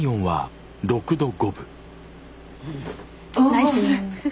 ナイス。